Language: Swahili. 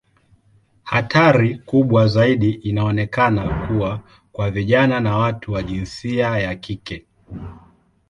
Hatari kubwa zaidi inaonekana kuwa kwa vijana na watu wa jinsia ya kike.